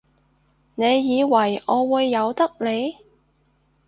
你以為我會由得你？